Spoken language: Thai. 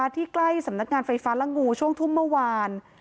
ที่ใกล้สำนักงานไฟฟ้าละงูช่วงทุ่มเมื่อวาน